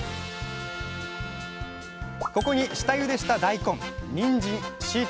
ここに下ゆでした大根にんじんしいたけ